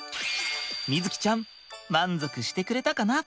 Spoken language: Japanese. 瑞己ちゃん満足してくれたかな？